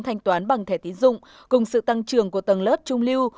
thanh toán bằng thẻ tín dụng cùng sự tăng trưởng của tầng lớp trung lưu